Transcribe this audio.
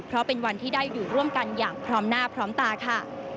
เพราะเป็นวันที่ได้อยู่ร่วมกันอย่างพร้อมหน้าพร้อมตาค่ะ